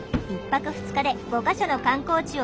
１泊２日で５か所の観光地を巡る